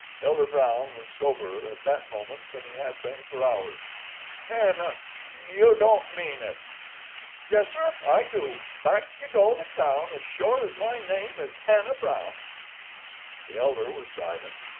Elder Brown was soberer at that moment than he had been for hours. "Hannah, you don't mean it?" "Yes, sir, I do. Back you go to town as sure as my name is Hannah Brown." The elder was silent.